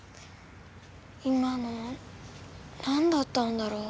今の何だったんだろう？